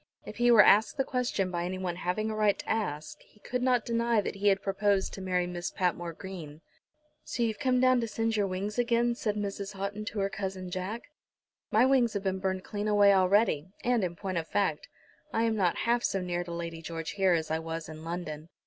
If he were asked the question by anyone having a right to ask he could not deny that he had proposed to marry Miss Patmore Green. "So you've come down to singe your wings again?" said Mrs. Houghton to her cousin Jack. "My wings have been burned clean away already, and, in point of fact, I am not half so near to Lady George here as I was in London."